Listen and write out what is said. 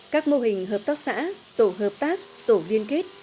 các mô hình hợp tác xã tổ hợp tác tổ liên kết